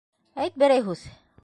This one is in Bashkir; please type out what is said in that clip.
Әйт берәй һүҙ!